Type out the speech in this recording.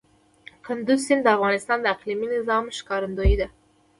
کندز سیند د افغانستان د اقلیمي نظام ښکارندوی ده.